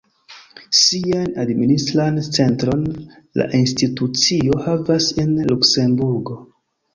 Sian administran centron la institucio havas en Luksemburgo.